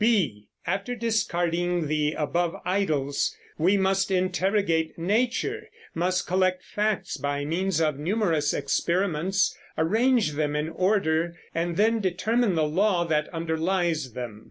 (b) After discarding the above "idols" we must interrogate nature; must collect facts by means of numerous experiments, arrange them in order, and then determine the law that underlies them.